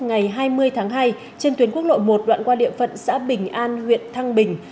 ngày hai mươi tháng hai trên tuyến quốc lộ một đoạn qua địa phận xã bình an huyện thăng bình